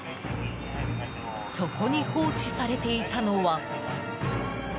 そこに放置されていたのは。